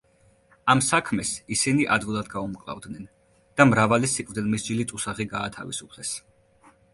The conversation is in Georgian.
ამ საქმეს, ისინი ადვილად გაუმკლავდნენ და მრავალი სიკვდილმისჯილი ტუსაღი გაათავისუფლეს.